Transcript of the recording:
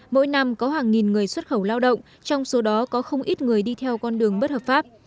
mỗi năm có hàng nghìn người xuất khẩu lao động trong số đó có không ít người đi theo con đường bất hợp pháp